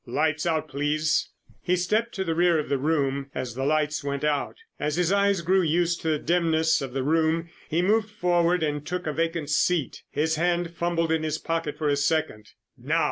Lights out, please!" He stepped to the rear of the room as the lights went out. As his eyes grew used to the dimness of the room he moved forward and took a vacant seat. His hand fumbled in his pocket for a second. "Now!"